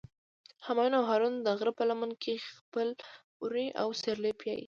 همایون او هارون د غره په لمن کې خپل وري او سرلي پیایی.